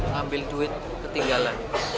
ngambil duit ketinggalan